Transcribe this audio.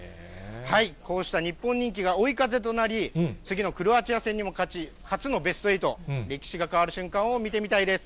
こうした日本人気が追い風となり、次のクロアチア戦にも勝ち、初のベスト８、歴史が変わる瞬間を見てみたいです。